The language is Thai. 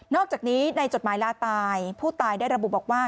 อกจากนี้ในจดหมายลาตายผู้ตายได้ระบุบอกว่า